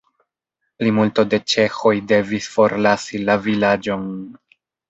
Plimulto de ĉeĥoj devis forlasi la vilaĝon.